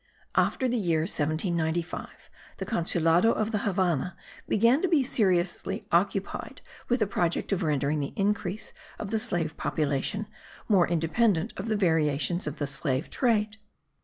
After the year 1795, the Consulado of the Havannah began to be seriously occupied with the project of rendering the increase of the slave population more independent of the variations of the slave trade.